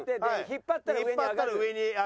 引っ張ったら上に上げる。